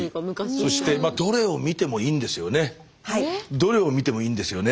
どれを見てもいいんですよね？